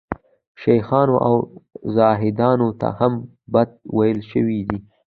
شیخانو او زاهدانو ته هم بد ویل شوي دي.